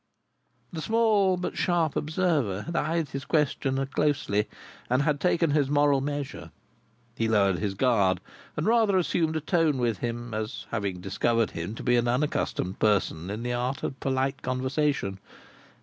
The small but sharp observer had eyed his questioner closely, and had taken his moral measure. He lowered his guard, and rather assumed a tone with him: as having discovered him to be an unaccustomed person in the art of polite conversation.